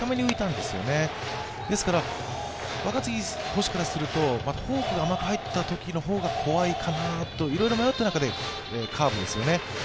ですから、若月捕手からすると、フォークが甘く入ったときの方が怖いかなと、いろいろ迷った中でカーブですよね。